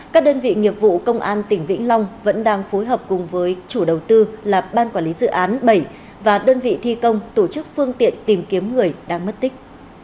các đơn vị nghiệp vụ công an tỉnh vĩnh long vẫn đang phối hợp cùng với chủ đầu tư là ban quản lý dự án bảy và đơn vị thi công tổ chức phương tiện tìm kiếm người đang mất tích